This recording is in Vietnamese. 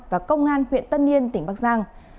và công an huyện tân niên tỉnh bắc giang